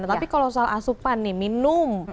tapi kalau soal asupan nih minum